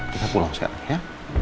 kita pulang sekarang ya